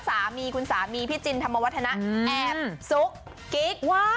สามีคุณสามีพี่จินธรรมวัฒนะแอบซุกกิ๊กว่า